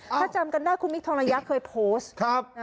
ถ้าจำกันได้คุณมิคทองระยะเคยโพสต์